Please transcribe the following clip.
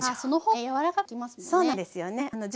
そうなんですよね。